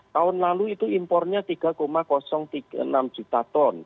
tahun lalu itu impornya tiga enam juta ton